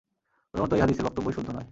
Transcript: প্রথমত এই হাদীসের বক্তব্যই শুদ্ধ নয়।